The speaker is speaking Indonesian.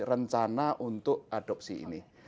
rencana untuk adopsi ini